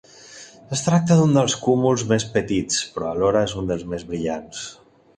Es tracta d'un dels cúmuls més petits, però alhora és un dels més brillants.